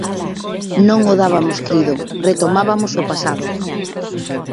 Non o dabamos crido: retomabamos o pasado.